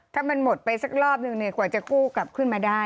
ถ้ามันหมดไปสักรอบนึงเนี่ยกว่าจะกู้กลับขึ้นมาได้